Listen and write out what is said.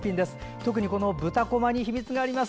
特に、豚こまに秘密があります。